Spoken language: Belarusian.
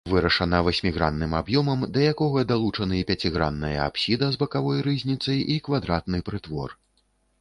Вырашана васьмігранным аб'ёмам, да якога далучаны пяцігранная апсіда з бакавой рызніцай і квадратны прытвор.